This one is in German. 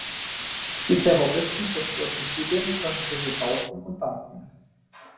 Die Terroristen zerstörten zudem öffentliche Bauten und Banken.